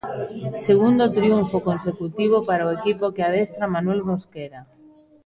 Segundo triunfo consecutivo para o equipo que adestra Manuel Mosquera.